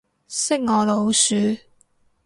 識我老鼠